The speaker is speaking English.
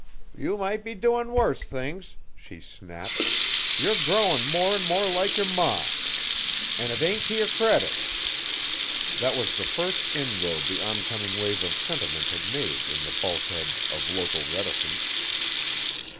"You might be doin' worse things!" she snapped, "you're growin' more an' more like yer ma, an' it ain't t' yer credit!" That was the first inroad the oncoming wave of sentiment had made in the bulkhead of local reticence.